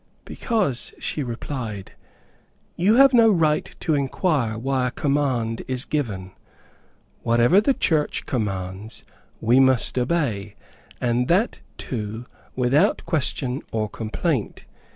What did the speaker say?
"Because," she replied, "you have no right to inquire why a command is given. Whatever the church commands, we must obey, and that, too, without question or complaint.